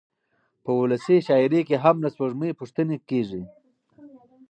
په ولسي شاعرۍ کې هم له سپوږمۍ پوښتنې کېږي.